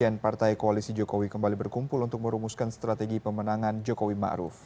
sekjen partai koalisi jokowi kembali berkumpul untuk merumuskan strategi pemenangan jokowi ma'ruf